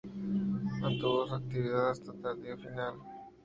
Mantuvo su actividad hasta su tardío final.